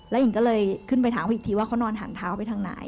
หญิงก็เลยขึ้นไปถามเขาอีกทีว่าเขานอนหันเท้าไปทางไหน